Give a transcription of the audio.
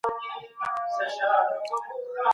د ټولني نږدېوالی تر یوازیتوب غوره دی.